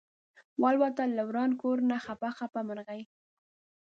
والوته له وران کور نه خپه خپه مرغۍ